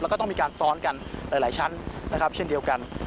แล้วก็ต้องมีการซ้อนกันหลายชั้นนะครับเช่นเดียวกัน